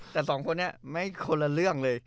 แต่สองคนนี้ไม่คนละเรื่องเลย